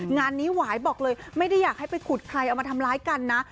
งานนี้หวายบอกเลยไม่ได้อยากให้ไปขุดใครเอามาทำร้ายกันนะ